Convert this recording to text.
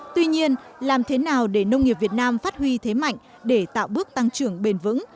tuy nhiên làm thế nào để nông nghiệp việt nam phát huy thế mạnh để tạo bước tăng trưởng bền vững